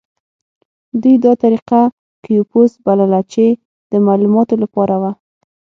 دوی دا طریقه کیوپوس بلله چې د معلوماتو لپاره وه.